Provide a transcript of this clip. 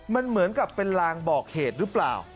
มันเหมือนกับเป็นลางบอกเหตุหรือเปล่า